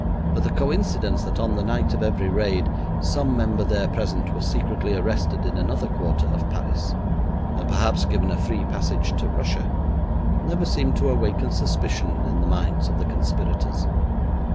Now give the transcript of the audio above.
But the coincidence that on the night of every raid some member there present was secretly arrested in another quarter of Paris, and perhaps given a free passage to Russia, never seemed to awaken suspicion in the minds of the conspirators.